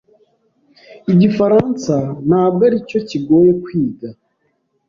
Igifaransa ntabwo aricyo kigoye kwiga.